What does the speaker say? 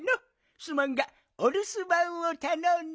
すまんがおるすばんをたのんだぞ。